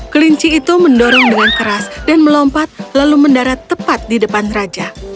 kelinci itu mendorong dengan keras dan melompat lalu mendarat tepat di depan raja